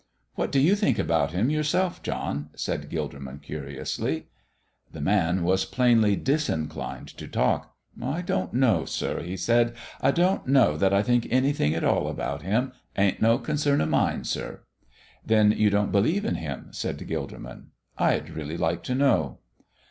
"What do you think about Him yourself, John?" said Gilderman, curiously. The man was plainly disinclined to talk. "I don't know, sir," he said. "I don't know that I think anything at all about Him. It ain't no concern of mine, sir." "Then you don't believe in Him?" said Gilderman. "I'd really like to know."